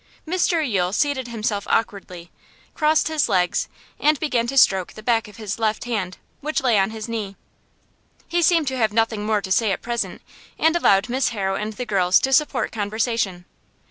Mr Yule seated himself awkwardly, crossed his legs, and began to stroke the back of his left hand, which lay on his knee. He seemed to have nothing more to say at present, and allowed Miss Harrow and the girls to support conversation.